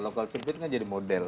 local sempit kan jadi model